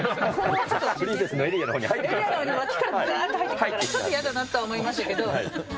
ちょっと嫌だなと思いましたけど。